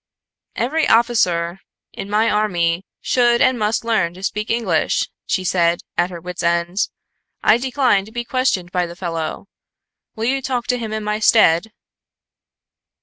"Every officer in my army should and must learn to speak English," she said, at her wits' end, "I decline to be questioned by the fellow. Will you talk to him in my stead?"